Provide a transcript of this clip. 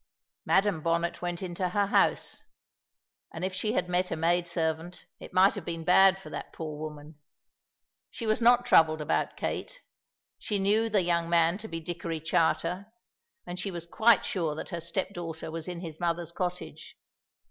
Madam Bonnet went into her house, and if she had met a maid servant, it might have been bad for that poor woman. She was not troubled about Kate. She knew the young man to be Dickory Charter, and she was quite sure that her step daughter was in his mother's cottage.